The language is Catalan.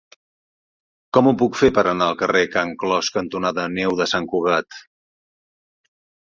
Com ho puc fer per anar al carrer Can Clos cantonada Neu de Sant Cugat?